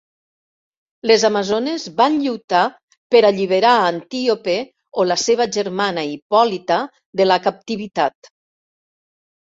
Les amazones van lluitar per alliberar Antíope o la seva germana Hipòlita de la captivitat.